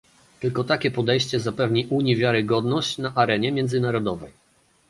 Tylko takie podejście zapewni Unii wiarygodność na arenie międzynarodowej